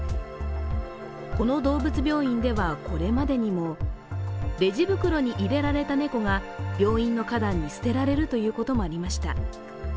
この動物病院ではこれまでにもレジ袋に入れられた猫が病院の花壇に捨てられるということもありました。